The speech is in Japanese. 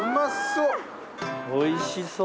うおいしそう！